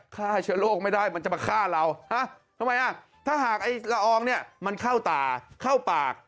ฆ่าเชื้อโรคไม่ได้มันจะมาฆ่าเราทำไมอ่ะถ้าหากไอ้ละอองเนี่ยมันเข้าตาเข้าปาก